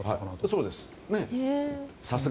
そうです。